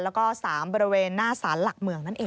แล้วก็๓บริเวณหน้าสารหลักเมืองนั่นเอง